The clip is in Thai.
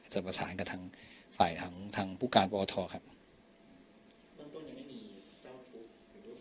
จะประสานกับทางฝ่ายทางทางผู้การปอทครับเบื้องต้นยังไม่มีเจ้าทุกข์